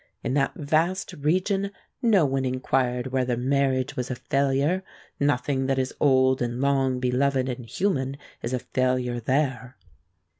In that vast region no one inquired whether marriage was a failure. Nothing that is old and long beloved and human is a failure there.